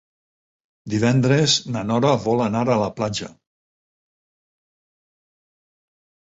Divendres na Nora vol anar a la platja.